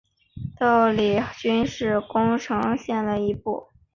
亘理郡是宫城县的一郡。